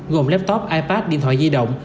gồm laptop ipad điện thoại di động